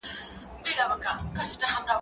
سبزیحات وچ کړه!؟